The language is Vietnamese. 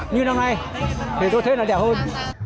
như năm nay thì tôi thấy nó đẹp hơn